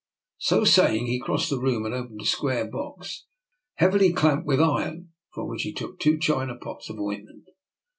So saying, he crossed the room and opened a square box, heavily clamped with iron, from which he took two china pots of ointment.